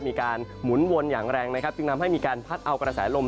หมุนวนอย่างแรงนะครับจึงทำให้มีการพัดเอากระแสลม